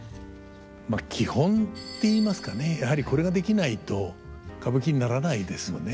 まあ基本ていいますかねやはりこれができないと歌舞伎にならないですよね。